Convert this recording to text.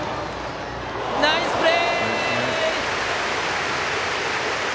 ナイスプレー！